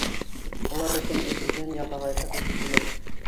Улар өсөн әсеүҙән ялағайлыҡ еҫе килә.